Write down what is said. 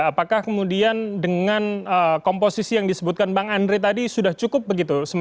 apakah kemudian dengan komposisi yang disebutkan bang andre tadi sudah cukup begitu